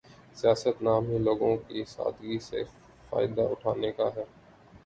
سیاست نام ہی لوگوں کی سادگی سے فائدہ اٹھانے کا ہے۔